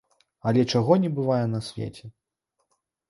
Але чаго не бывае на свеце!